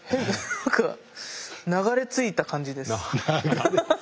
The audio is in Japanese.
何か流れ着いた感じです。